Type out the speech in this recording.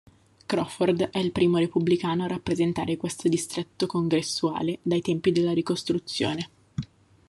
Crawford è il primo repubblicano a rappresentare questo distretto congressuale dai tempi della Ricostruzione.